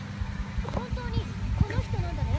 本当にこの人なんだね？